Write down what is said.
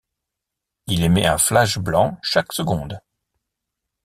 Il émet un flash blanc chaque seconde.